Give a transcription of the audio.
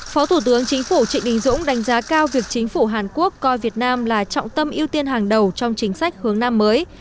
phó thủ tướng chính phủ trịnh đình dũng đánh giá cao việc chính phủ hàn quốc coi việt nam là trọng tâm ưu tiên hàng đầu trong chính sách hướng nam mới